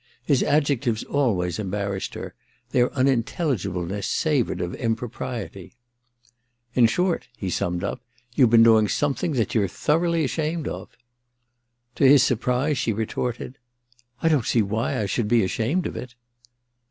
His adjectives always embarrassed her : their unintelligibleness savoured of impropriety. * In short,' he summed up, * you've been doing something that you're thoroughly ashamed of.' To his surprise she retorted :* I don't sec why I should be ashamed of it